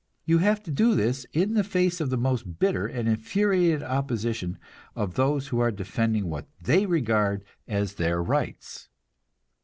You have to do this in the face of the most bitter and infuriated opposition of those who are defending what they regard as their rights.